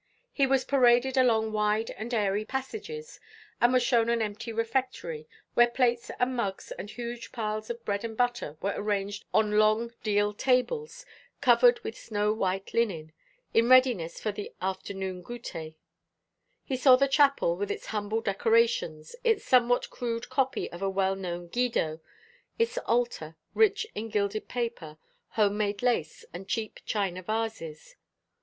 He was paraded along wide and airy passages, was shown an empty refectory, where plates and mugs and huge piles of bread and butter were arranged on long deal tables, covered with snow white linen, in readiness for the afternoon goûter. He saw the chapel with its humble decorations, its somewhat crude copy of a well known Guido, its altar, rich in gilded paper, home made lace, and cheap china vases.